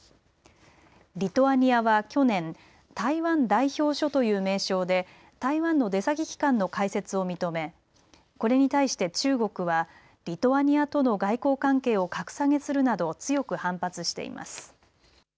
リトアニアは去年、台湾代表処という名称で台湾の出先機関の開設を認めこれに対して中国はリトアニアとの外交関係を格下げするなど強く反発しています。